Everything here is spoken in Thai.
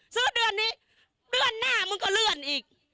ซื้อเดือนนี้เดือนหน้ามึงก็เลื่อนอีก